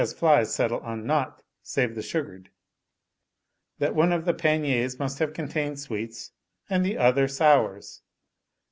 flies settle on naught save the sugared) that one of the panniers must have contained sweets and the other sours."